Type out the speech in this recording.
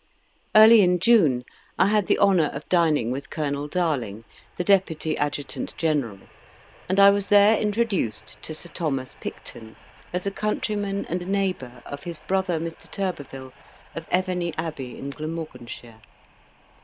Early in June I had the honour of dining with Colonel Darling, the deputy adjutant general, and I was there introduced to Sir Thomas Picton, as a countryman and neighbour of his brother, Mr. Turbeville, of Evenney Abbey, in Glamorganshire.